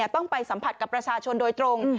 ต้องไปสัมผัสกับประชาชนโดยตรง